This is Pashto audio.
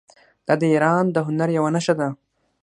دا د ایران د هنر یوه نښه ده.